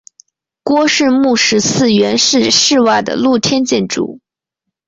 郭氏墓石祠原是室外的露天建筑。